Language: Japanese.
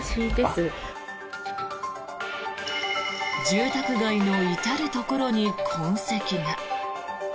住宅街の至るところに痕跡が。